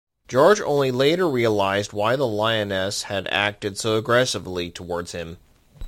George only later realised why the lioness had acted so aggressively towards him.